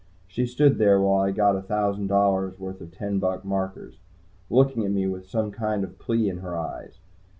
She stood there while I got a thousand dollars worth of ten buck markers, looking at me with some kind of plea in her eyes.